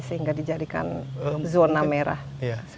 sehingga dijadikan zona merah